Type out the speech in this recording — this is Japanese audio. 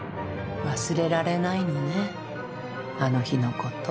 忘れられないのねあの日のこと。